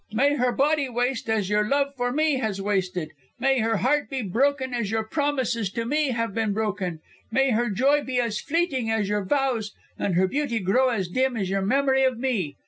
May her body waste as your love for me has wasted; may her heart be broken as your promises to me have been broken; may her joy be as fleeting as your vows, and her beauty grow as dim as your memory of me.